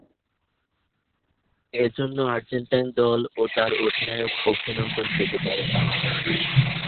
এ জন্য আর্জেন্টাইন দল ও তার অধিনায়ক অভিনন্দন পেতে পারেন।